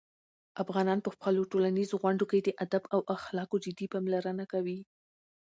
افغانان په خپلو ټولنیزو غونډو کې د "ادب" او "اخلاقو" جدي پاملرنه کوي.